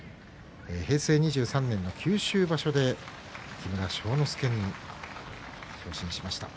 平成２３年の九州場所で木村庄之助に昇進しました。